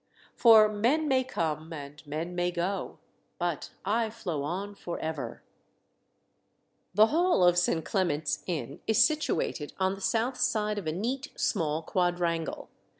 "For men may come, and men may go, But I flow on for ever." The hall of St. Clement's Inn is situated on the south side of a neat small quadrangle.